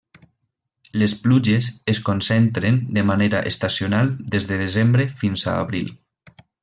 Les pluges es concentren de manera estacional des de desembre fins a abril.